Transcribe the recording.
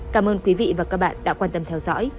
cảm ơn quý vị và các bạn đã quan tâm theo dõi